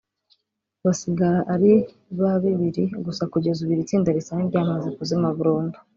basigara ari babibiri gusa kugeza ubu iri tsinda risa n’iryamaze kuzima burundu